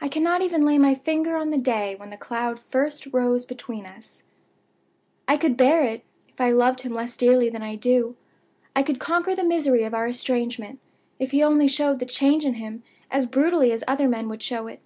I cannot even lay my finger on the day when the cloud first rose between us. "I could bear it, if I loved him less dearly than I do. I could conquer the misery of our estrangement, if he only showed the change in him as brutally as other men would show it.